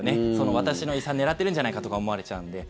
私の遺産狙ってるんじゃないかとか思われちゃうんで。